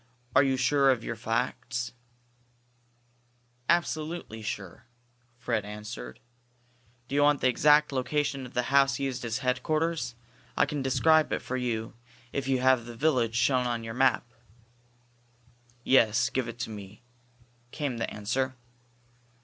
"Are you sure of your facts?" "Absolutely sure," Fred answered. "Do you want the exact location of the house used as headquarters? I can describe it for you if you have the village shown on your map." "Yes. Give it to me," came the answer.